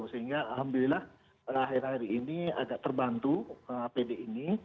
sehingga alhamdulillah akhir akhir ini agak terbantu apd ini